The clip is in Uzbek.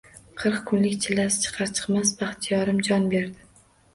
Qirq kunlik chillasi chiqar–chiqmas Baxtiyorim jon berdi